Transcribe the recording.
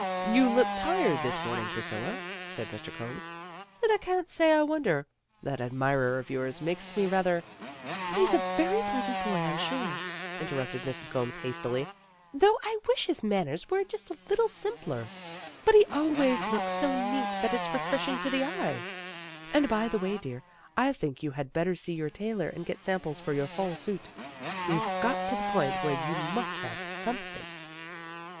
"You look tired this morning, Priscilla," said Mr. Combs. "And I can't say I wonder. That admirer of yours makes me rather " "He's a very pleasant boy, I'm sure," in terrupted Mrs. Combs hastily, "though I wish his manners were just a little simpler. But he always looks so neat that it's refreshing to the eye. And by the way, dear, I think you had better see your tailor and get samples for your fall suit. You've got to the point where you must have something."